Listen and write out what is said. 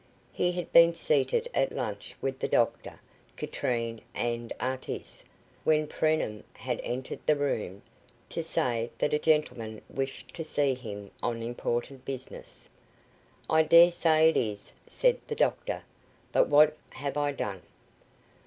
He had been seated at lunch with the doctor, Katrine, and Artis, when Preenham had entered the room, to say that a gentleman wished to see him on important business. "I dare say it is," said the doctor, "but what have I done?"